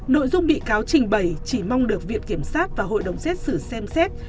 nội dung bị cáo trình bày chỉ mong được viện kiểm sát và hội đồng xét xử xem xét